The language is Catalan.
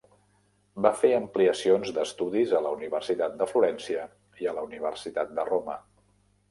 Va fer ampliacions d'estudis a la Universitat de Florència i a la Universitat de Roma.